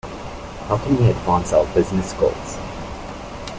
How can we advance our business goals?